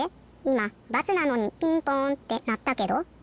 いま×なのにピンポンってなったけど？